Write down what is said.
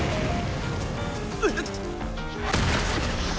えっ！？